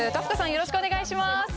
よろしくお願いします